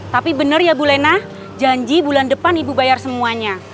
tapi benar ya bu lena janji bulan depan ibu bayar semuanya